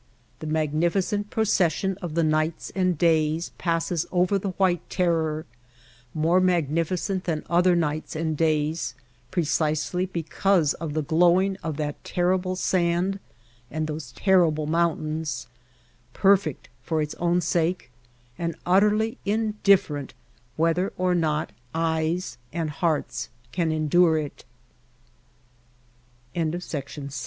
The magnificent proces sion of the nights and days passes over the white terror, more magnificent than other nights and days precisely because of the glowing of that terrible sand and those terrible mountains, per fect for its own sake, and utterly indifferent whether or not eyes and